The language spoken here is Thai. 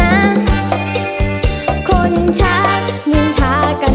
แม่หรือพี่จ๋าบอกว่าจะมาขอมัน